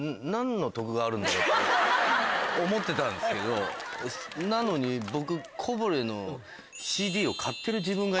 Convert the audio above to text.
思ってたんですけどなのに僕。